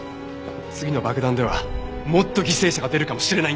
次の爆弾ではもっと犠牲者が出るかもしれないんだ。